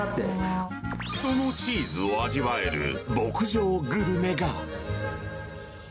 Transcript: そのチーズを味わえる牧場グルメが。